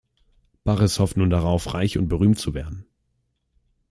Barris hofft nun darauf, reich und berühmt zu werden.